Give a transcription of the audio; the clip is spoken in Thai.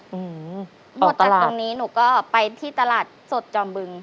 หมดจากตรงนี้หนูก็ไปที่ตลาดสดจอมบึง